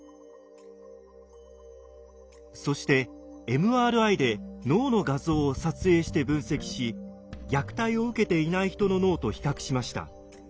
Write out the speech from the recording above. そしてＭＲＩで脳の画像を撮影して分析し虐待を受けていない人の脳と比較しました。